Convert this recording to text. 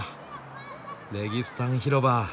レギスタン広場。